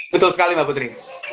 betul sekali mbak putri